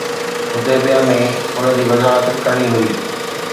حديبيه ۾ ان جي وضاحت ڪرڻي هئي